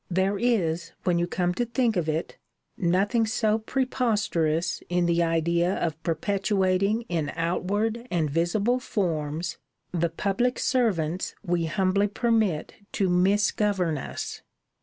There is, when you come to think of it, nothing so preposterous in the idea of perpetuating in outward and visible forms the public servants we humbly permit to misgovern us.